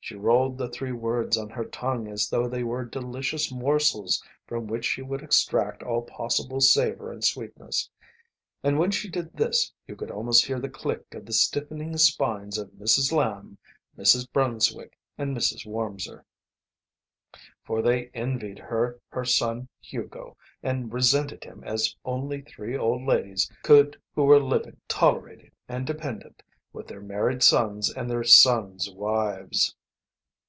She rolled the three words on her tongue as though they were delicious morsels from which she would extract all possible savour and sweetness. And when she did this you could almost hear the click of the stiffening spines of Mrs. Lamb, Mrs. Brunswick, and Mrs. Wormser. For they envied her her son Hugo, and resented him as only three old ladies could who were living, tolerated and dependent, with their married sons and their sons' wives.